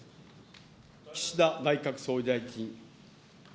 岸田内閣総理大臣。